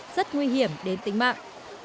rất nguy hiểm đến tính mạng